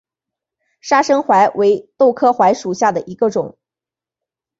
砂生槐为豆科槐属下的一个种。